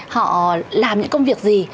họ làm những công việc gì